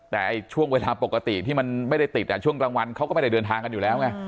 แต่ช่วงเวลาปกติที่มันไม่ได้ติดช่วงกลางวันเขาก็ไม่ได้เดินทางกันอยู่แล้วไง